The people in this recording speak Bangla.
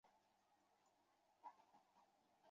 প্রথমত প্রত্যেক বিজ্ঞানেরই নিজস্ব পর্যবেক্ষণ-প্রণালী আছে।